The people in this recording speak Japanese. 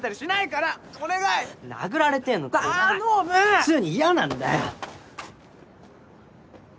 普通に嫌なんだよ。